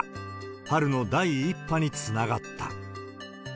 春の第１波につながった。